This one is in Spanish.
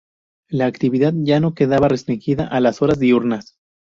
La actividad ya no quedaba restringida a las horas diurnas.